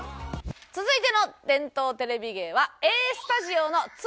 続いての伝統テレビ芸は。